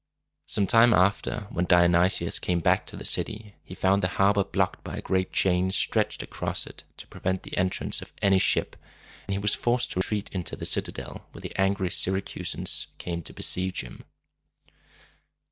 Some time after, when Dionysius came back to the city, he found the harbor blocked by a great chain stretched across it to prevent the entrance of any ship; and he was forced to retreat into the citadel, where the angry Syr a cus´ans came to besiege him.